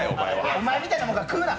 お前みたいなもんが食うな。